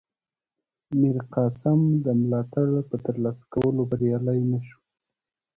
میرقاسم د ملاتړ په ترلاسه کولو بریالی نه شو.